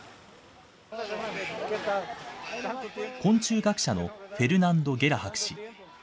昆虫学者のフェルナンド・ゲラ博士。